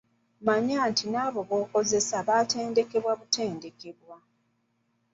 Manya nti n'abo b'okozesa baatendekebwa butendekebwa.